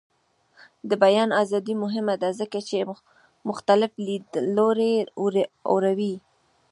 د بیان ازادي مهمه ده ځکه چې مختلف لیدلوري اوري.